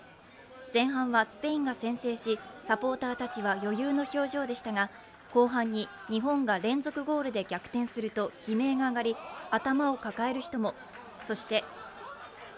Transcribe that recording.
前半はスペインが先制し、サポーターたちは余裕の表情でしたが後半に日本が連続ゴールで逆転すると悲鳴が上がり頭を抱える人も。